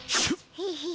ヘヘヘヘ。